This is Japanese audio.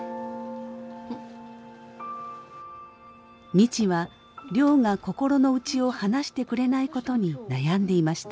未知は亮が心の内を話してくれないことに悩んでいました。